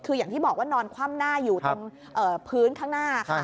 คืออย่างที่บอกว่านอนคว่ำหน้าอยู่ตรงพื้นข้างหน้าค่ะ